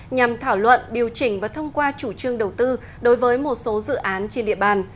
nhằm thảo luận điều chỉnh và thông qua chủ trương đầu tư đối với một số dự án trên địa bàn